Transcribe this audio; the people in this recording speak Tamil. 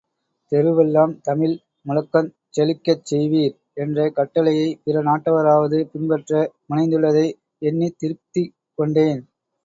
தெருவெல்லாம் தமிழ் முழக்கஞ் செழிக்கச் செய்வீர் என்ற கட்டளையைப் பிற நாட்டவராவது பின்பற்ற முனைந்துள்ளதை எண்ணித் திருப்தி கொண்டேன்.